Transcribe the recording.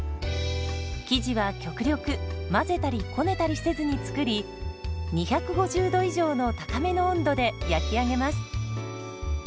生地は極力混ぜたりこねたりせずに作り２５０度以上の高めの温度で焼き上げます。